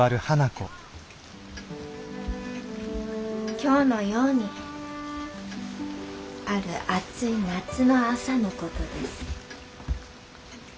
「今日のようにある暑い夏の朝の事です」。